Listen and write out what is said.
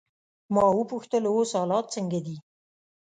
ما وپوښتل: اوس حالات څنګه دي؟